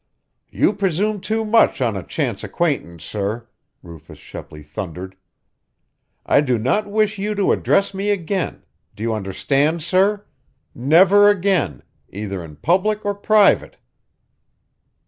"You presume too much on a chance acquaintance, sir!" Rufus Shepley thundered. "I do not wish you to address me again do you understand, sir? Never again either in public or private!"